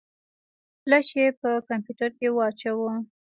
فلش يې په کمپيوټر کې واچوه.